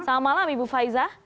selamat malam ibu faiza